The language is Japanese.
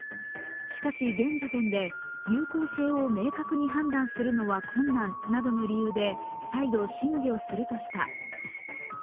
しかし現時点で有効性を明確に判断するのは困難などの理由で、再度、審議をするとした。